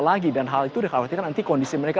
lagi dan hal itu dikhawatirkan nanti kondisi mereka